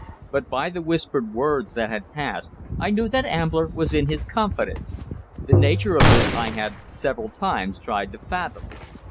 But by the whispered words that had passed I knew that Ambler was in his confidence. The nature of this I had several times tried to fathom.